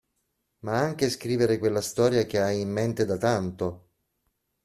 Ma anche scrivere quella storia che hai in mente da tanto.